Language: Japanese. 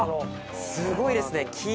すごいですね。